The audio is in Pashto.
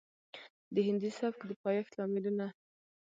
د هندي سبک د پايښت لاملونه